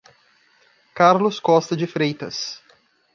Carlos Costa de Freitas